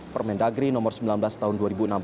permendagri nomor sembilan belas tahun dua ribu enam belas